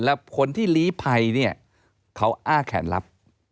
และคนที่ลีภัยเขาอ้าแขนลับ